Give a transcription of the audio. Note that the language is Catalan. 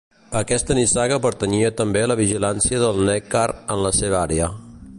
A aquesta nissaga pertanyia també la vigilància del Neckar en la seva àrea.